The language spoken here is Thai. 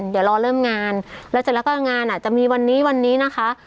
เดี๋ยวรอเริ่มงานแล้วเสร็จแล้วก็งานอาจจะมีวันนี้วันนี้นะคะ